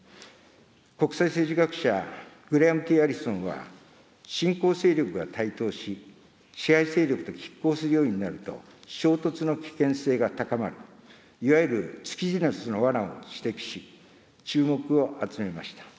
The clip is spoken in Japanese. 国際政治学者、グレアム・Ｔ・アリソンは、新興勢力が台頭し、支配勢力ときっ抗するようになると、衝突の危険性が高まる、いわゆるトゥキディデスの罠を指摘し、注目を集めました。